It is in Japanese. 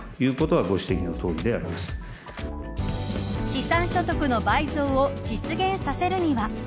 資産所得の倍増を実現させるには。